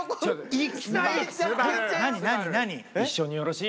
行きたい！